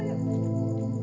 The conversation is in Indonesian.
yuk yuk yuk